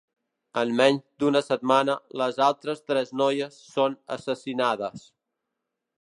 En menys d'una setmana, les altres tres noies són assassinades.